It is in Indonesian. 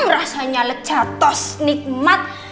rasanya lecatos nikmat